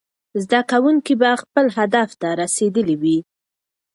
زده کوونکي به خپل هدف ته رسېدلي وي.